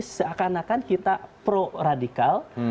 seakan akan kita pro radikal